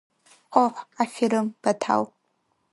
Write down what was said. Ҟоҳ, аферым, Баҭал!